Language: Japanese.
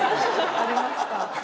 ありました。